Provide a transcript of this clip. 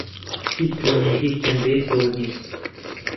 هیچ پەیوەندییەکیان بەیەکەوە نییە